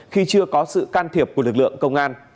khi chưa có sự can thiệp của lực lượng công an